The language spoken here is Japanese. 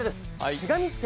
しがみつけ！